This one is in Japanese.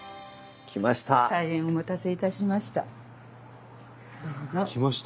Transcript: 大変お待たせいたしました。